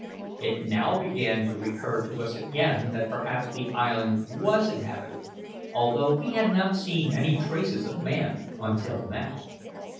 It now began to recur to us again that perhaps the island was inhabited, although we had not seen any traces of man until now.